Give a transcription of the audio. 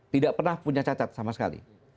tidak pernah punya cacat sama sekali